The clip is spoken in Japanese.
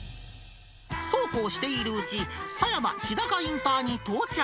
そうこうしているうち、狭山日高インターに到着。